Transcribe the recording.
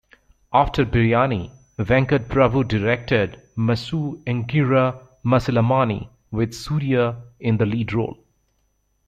After "Biriyani", Venkat Prabhu directed "Massu Engira Masilamani" with Suriya in the lead role.